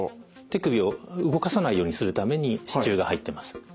手首を動かさないようにするために支柱が入ってます。